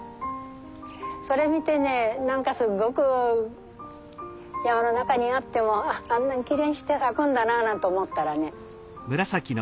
それ見てね何かすごく山の中にあってもあんなにきれいにして咲くんだななんて思ったらね